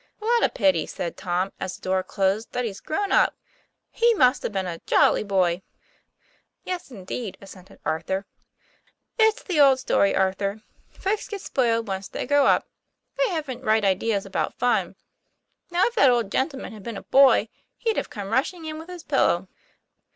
'" What a pity, " said Tom as the door closed, " that he's grown up! He must have been a jolly boy." "Yes, indeed," assented Arthur. " It's the old story, Arthur; folks get spoiled once they grow up. They haven't right ideas about fun. Now, if that old gentleman had been a boy, he'd have come rushing in with his pillow."